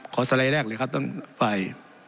ขอสไลด์แรกเลยครับต้องไป